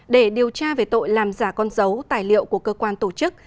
để điều tra về tội làm giả con dấu tài liệu của cơ quan tổ chức